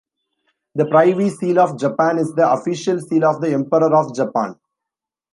The Privy Seal of Japan is the official seal of the Emperor of Japan.